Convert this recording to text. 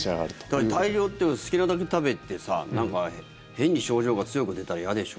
だから、大量っていうか好きなだけ食べてさ変に症状が強く出たら嫌でしょ？